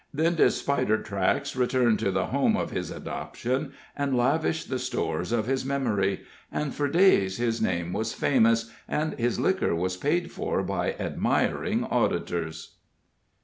Then did Spidertracks return to the home of his adoption, and lavish the stores of his memory; and for days his name was famous, and his liquor was paid for by admiring auditors.